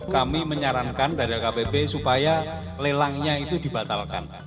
kami menyarankan dari lkpb supaya lelangnya itu dibatalkan